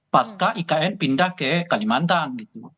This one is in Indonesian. pasca ikn pindah ke kalimantan gitu